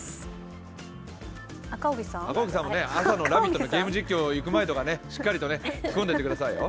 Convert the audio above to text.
赤荻さんも朝の「ラヴィット！」の実況に行く前とかしっかりと着込んでいってくださいよ。